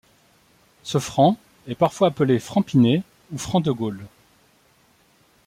Ce franc est parfois appelé franc Pinay ou franc De Gaulle.